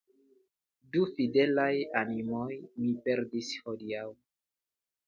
Du fidelaj animoj mi perdis hodiaŭ.